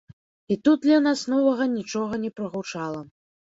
І тут для нас новага нічога не прагучала.